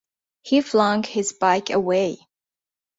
He flung his bike away.